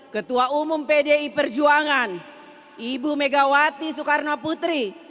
ketua umum pdi perjuangan ibu megawati soekarno putri